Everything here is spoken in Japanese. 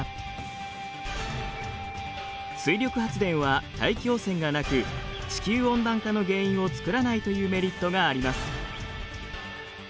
水力発電は大気汚染がなく地球温暖化の原因を作らないというメリットがあります。